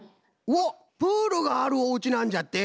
うおっプールがあるおうちなんじゃって！